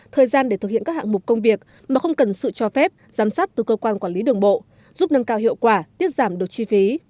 thời gian để thực hiện các hạng mục công việc mà không cần sự cho phép giám sát từ cơ quan quản lý đường bộ giúp nâng cao hiệu quả tiết giảm đột chi phí